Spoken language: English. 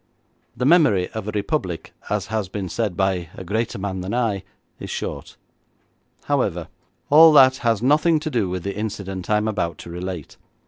The memory of a republic, as has been said by a greater man than I, is short. However, all that has nothing to do with the incident I am about to relate.